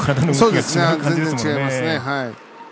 全然、違いますね。